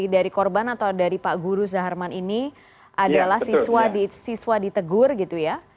dari korban atau dari pak guru zaharman ini adalah siswa ditegur gitu ya